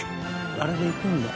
あれでいくんだ。